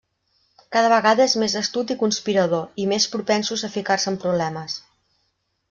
Cada vegada és més astut i conspirador, i més propensos a ficar-se en problemes.